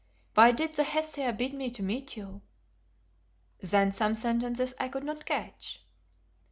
Why did the Hesea bid me to meet you?" Then some sentences I could not catch.